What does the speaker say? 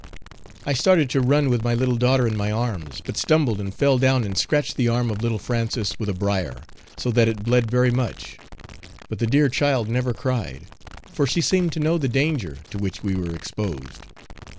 I started to run with my little daughter in my arms, but stumbled and fell down and scratched the arm of little Frances with a brier, so that it bled very much; but the dear child never cried, for she seemed to know the danger to which we were exposed.